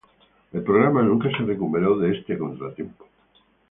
El programa nunca se recuperó de este contratiempo.